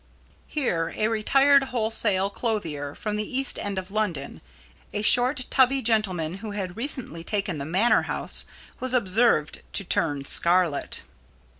Here a retired wholesale clothier from the East end of London a short, tubby gentleman who had recently taken the Manor House was observed to turn scarlet.